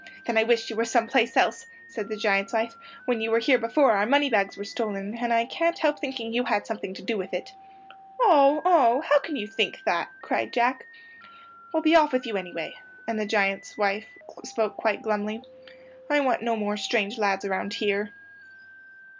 "Then I wish you were some place else," said the giant's wife; "when you were here before our moneybags were stolen, and I can't help thinking you had something to do with it." "Oh, oh! How can you think that?" cried Jack. "Well, be off with you, anyway"; and the giant's wife spoke quite glumly. "I want no more strange lads around here."